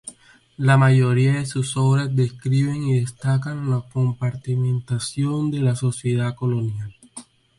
La mayoría de sus obras describen y destacan la compartimentación de la sociedad colonial.